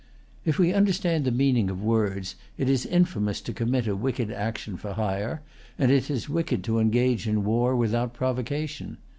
If we understand the meaning of words, it is infamous to commit a wicked action for hire, and it is wicked to engage in war without provocation.